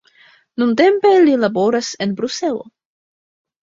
Nuntempe li laboras en Bruselo.